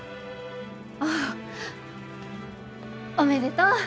あっおめでとう。